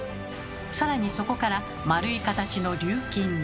さらにそこから丸い形の「琉金」に。